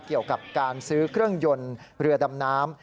เกี่ยวกับการซื้อเครื่องยนต์เรือดำน้ำ